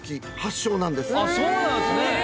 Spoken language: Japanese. そうなんすね！